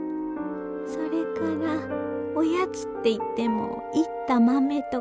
それからおやつっていってもいった豆とか。